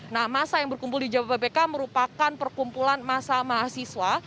nah masa yang berkumpul di jabodebek merupakan perkumpulan masa mahasiswa